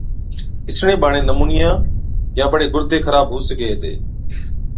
اِسڙين ٻاڙين نمونِيا يان بڙي گُڙدي خراب هُو سِگھي هِتي۔